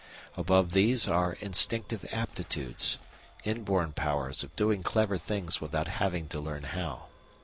Above these are instinctive aptitudes, inborn powers of doing clever things without having to learn how.